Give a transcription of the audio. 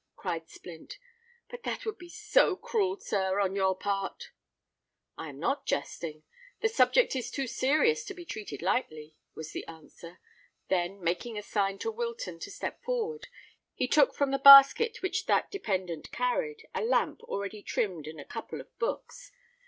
cried Splint. "But that would be so cruel, sir, on your part——" "I am not jesting—the subject is too serious to be treated lightly," was the answer: then, making a sign to Wilton to step forward, he took from the basket which that dependant carried, a lamp already trimmed and a couple of books.